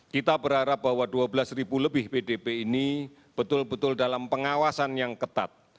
kita berharap bahwa dua belas ribu lebih pdp ini betul betul dalam pengawasan yang ketat